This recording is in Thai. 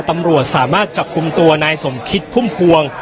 ตำรวจสามารถจับกลุ่มตัวนายสมคิดพุ่มพวง